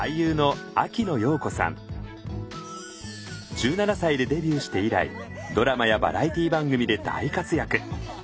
１７歳でデビューして以来ドラマやバラエティー番組で大活躍。